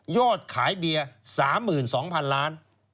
ยอดขายเบียร์๓๒๐๐๐ล้าน